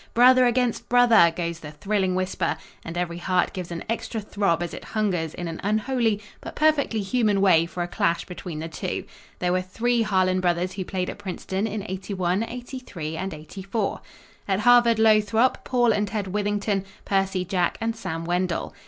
"Brother against brother!" goes the thrilling whisper and every heart gives an extra throb as it hungers in an unholy but perfectly human way for a clash between the two. There were three Harlan brothers who played at Princeton in '81, '83, '84. At Harvard Lothrope, Paul and Ted Withington; Percy, Jack and Sam Wendell.